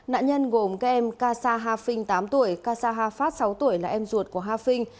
nạn nhân gồm các em kasa ha phinh tám tuổi kasa ha phát sáu tuổi là em ruột của ha phinh